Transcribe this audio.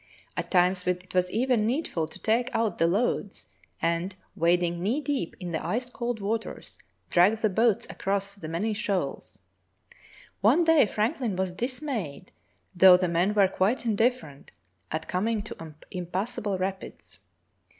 At times it was even need ful to take out the loads and, wading knee deep in the ice cold waters, drag the boats across the many shoals. One day Franklin was dismayed, though the men were quite indifferent, at coming to impassable rapids.